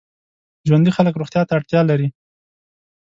ژوندي خلک روغتیا ته اړتیا لري